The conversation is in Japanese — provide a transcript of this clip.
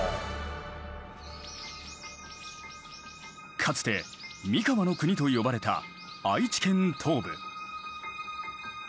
かつて「三河国」と呼ばれた愛知県東部。